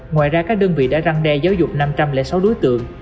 ngoài ra các đơn vị đã răng đe giáo dục năm trăm linh sáu đối tượng